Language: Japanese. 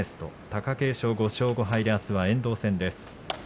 貴景勝、５勝５敗であすは遠藤戦です。